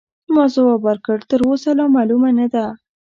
ما ځواب ورکړ: تراوسه لا معلومه نه ده.